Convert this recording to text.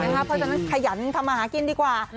เพราะฉะนั้นขยันทำมาหากินดีกว่า